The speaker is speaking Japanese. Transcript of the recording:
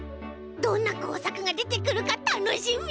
どんなこうさくがでてくるかたのしみ。